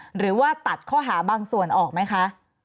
หรือว่าตัดข้อหาบางส่วนออกไหมคะ